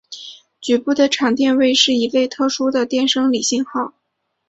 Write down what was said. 局部场电位是一类特殊的电生理信号。